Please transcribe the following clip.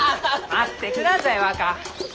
待ってください若！